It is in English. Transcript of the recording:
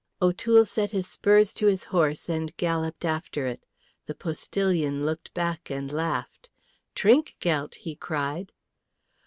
O'Toole set his spurs to his horse and galloped after it. The postillion looked back and laughed. "Trinkgeldt!" he cried.